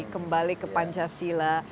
kembali ke pancasila